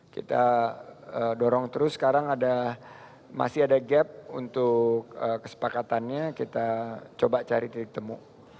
kita dorong terus sekarang masih ada gap untuk kesepakatannya kita coba cari titik temu